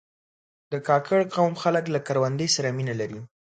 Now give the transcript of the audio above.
د کاکړ قوم خلک له کروندې سره مینه لري.